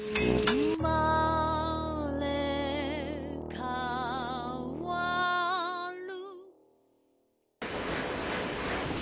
「うまれかわる」